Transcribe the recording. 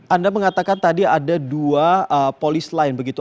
anda mengatakan tadi ada dua polis lain begitu